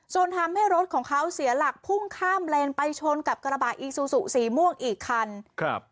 ส่วนทำให้รถของเขาเสียหลักพุ่งข้ามเลนไปชนกับกระบะอีซูซูสีม่วงอีกคันครับ